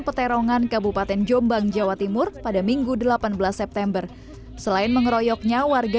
peterongan kabupaten jombang jawa timur pada minggu delapan belas september selain mengeroyoknya warga